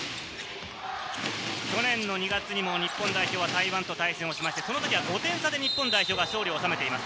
去年の２月にも日本代表は台湾と対戦をしまして、そのときは５点差で日本代表が勝利を収めています。